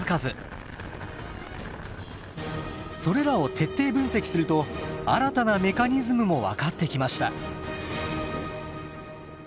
それらを徹底分析すると新たなメカニズムも分かってきました。